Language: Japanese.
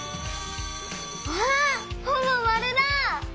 わあほぼまるだ！